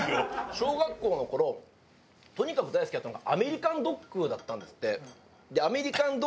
小学校の頃とにかく大好きだったのがアメリカンドッグだったんですって。